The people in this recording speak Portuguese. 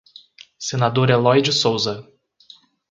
Senador Elói de Souza